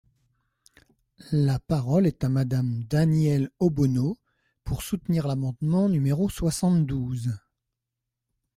La parole est à Madame Danièle Obono, pour soutenir l’amendement numéro soixante-douze.